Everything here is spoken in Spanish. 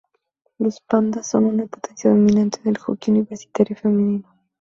Las Panda son una potencia dominante en el hockey universitario femenino.